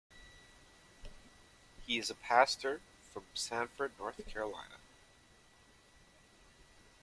He is a pastor from Sanford, North Carolina.